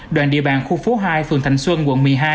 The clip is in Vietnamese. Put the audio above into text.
đoạn địa bàn khu phố hai phường thành xuân quận một mươi hai